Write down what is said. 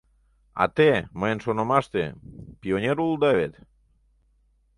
А те, мыйын шонымаште, пионер улыда вет.